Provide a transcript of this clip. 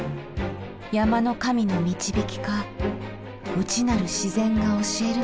山の神の導きか内なる自然が教えるのか。